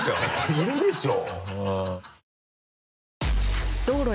いるでしょう。